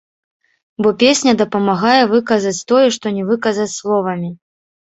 Бо песня дапамагае выказаць тое, што не выказаць словамі.